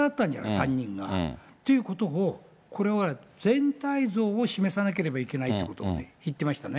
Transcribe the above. ３人が。ということを、これは全体像を示さなければいけないということを言ってましたね。